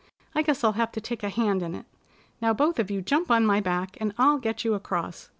I guess I'll have to take a hand in it. Now both of you jump on my back, and I'll get you across.